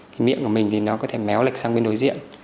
cái miệng của mình thì nó có thể méo lịch sang bên đối diện